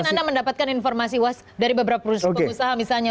mungkin anda mendapatkan informasi was dari beberapa perusahaan perusahaan misalnya